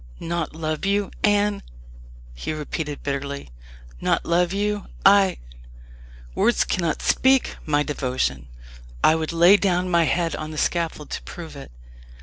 "Not love you, Anne!" he repeated bitterly; "not love you I Words cannot speak my devotion. I would lay down my head on the scaffold to prove it.